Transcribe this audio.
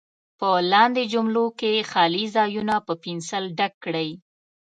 په لاندې جملو کې خالي ځایونه په پنسل ډک کړئ.